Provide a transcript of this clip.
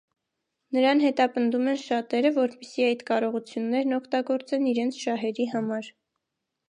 Նրան հետապնդում են շատերը, որպեսզի այդ կարողություններն օգտագործեն իրենց շահերի համար։